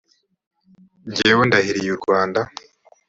jyewe ndahiriye u rwanda